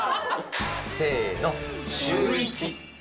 せーの、シューイチ。